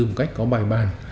một cách có bài bàn